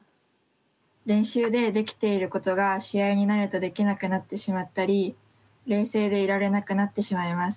練習でできていることが試合になるとできなくなってしまったり冷静でいられなくなってしまいます。